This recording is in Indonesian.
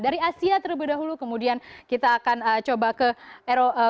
dari asia terlebih dahulu kemudian kita akan coba ke eropa